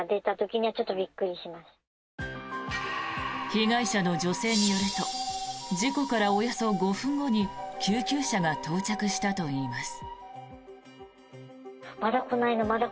被害者の女性によると事故からおよそ５分後に救急車が到着したといいます。